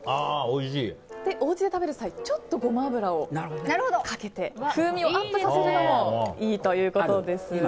おうちで食べる際ちょっとゴマ油をかけて風味をアップさせるのもいいということです。